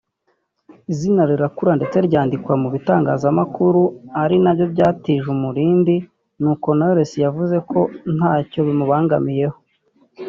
izina rirakura ndetse ryandikwa mu bitangazamakuru ari nabyo byatije umurindi n’uko Knowless yavuze ko ntacyo bimubangamiyeho